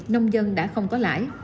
nông dân đã không có lãi